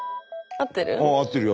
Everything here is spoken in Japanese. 合ってる？